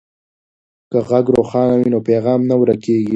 که غږ روښانه وي نو پیغام نه ورکیږي.